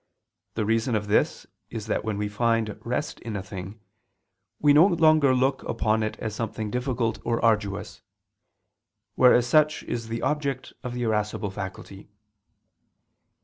The reason of this is that when we find rest in a thing, we no longer look upon it as something difficult or arduous; whereas such is the object of the irascible faculty.